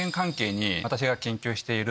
私が研究している。